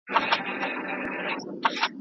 ایا هلک په رښتیا هم د انا له ډاره تښتېدلی دی؟